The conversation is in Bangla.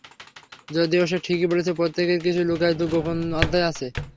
যদিও সে ঠিকই বলেছে, প্রত্যেকেরই কিছু লুকায়িত গোপন অধ্যায় থাকে।